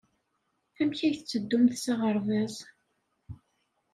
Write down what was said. Amek ay tetteddumt s aɣerbaz?